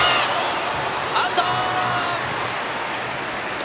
アウト！